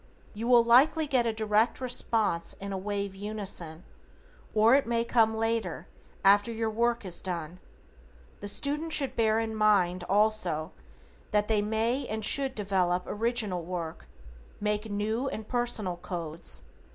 You will likely get a direct response in a wave unison, or it may come later after your work is done. The student should bear in mind also that they may and should develop original work, make new and personal codes.